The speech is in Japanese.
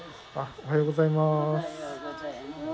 おはようございます。